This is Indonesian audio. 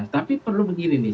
tapi perlu begini nih